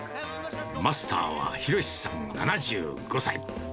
マスターは弘さん７５歳。